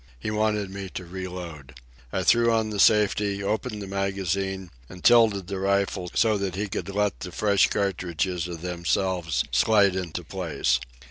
He wanted me to reload. I threw on the safety, opened the magazine, and tilted the rifle so that he could let the fresh cartridges of themselves slide into place.